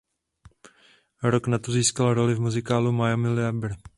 Rok na to získal roli v muzikálu "Miami Libre".